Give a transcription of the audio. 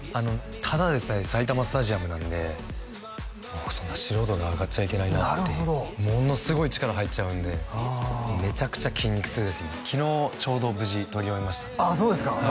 ただでさえ埼玉スタジアムなんでもうそんな素人が上がっちゃいけないなっていうなるほどものすごい力入っちゃうんでめちゃくちゃ筋肉痛です今昨日ちょうど無事撮り終えました